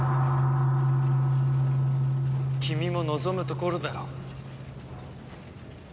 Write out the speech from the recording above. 君も望むところだろう。